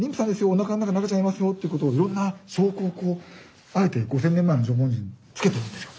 おなかの中に赤ちゃんいますよってことをいろんな証拠をこうあえて５，０００年前の縄文人つけてるんですよ。